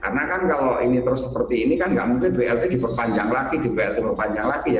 karena kan kalau ini terus seperti ini kan nggak mungkin blt diperpanjang lagi di blt diperpanjang lagi ya